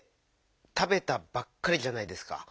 「たべた」ばっかりじゃないですか。